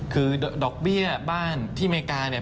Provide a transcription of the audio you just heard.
คือดอกเบี้ยบ้านที่อเมริกาเนี่ย